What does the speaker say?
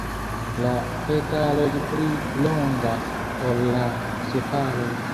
La petaloj pli longas ol la sepaloj.